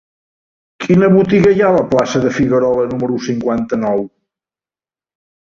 Quina botiga hi ha a la plaça de Figuerola número cinquanta-nou?